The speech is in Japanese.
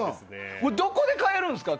どこで買えるんですか？